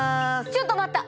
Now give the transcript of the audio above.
ちょっと待った！